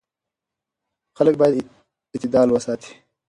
خلک باید اعتدال وساتي.